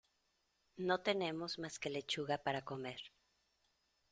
No tenemos más que lechuga para comer.